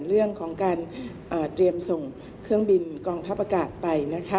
เรื่องของการเตรียมส่งเครื่องบินกองทัพอากาศไปนะคะ